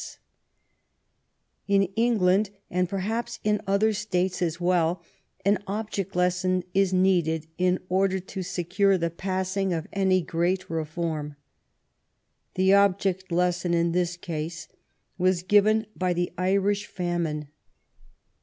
104 THE FREE TRADE STRUGGLE 105 In England, and perhaps in other States as well, an object lesson is needed in order to secure the passing of any great reform. The object lesson in this case was given by the Irish Famine.